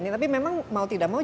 tapi memang mau tidak mau